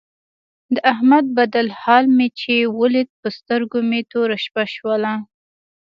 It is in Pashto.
د احمد بدل حال مې چې ولید په سترګو مې توره شپه شوله.